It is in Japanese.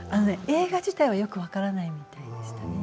映画自体は分からないみたいでしたね。